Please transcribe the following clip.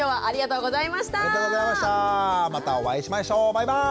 バイバーイ。